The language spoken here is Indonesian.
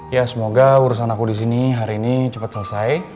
ya semoga urusan aku disini hari ini cepet selesai